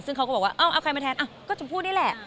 ซึ่งเขาก็บอกว่าเอาใครมาแทนก็ชมพู่นี่แหละ